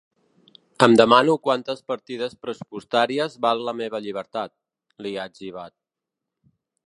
Em demano quantes partides pressupostàries val la meva llibertat, li ha etzibat.